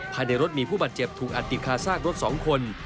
ภายในรถมีผู้บาดเจ็บถูกอัดติดคาซากรถ๒คน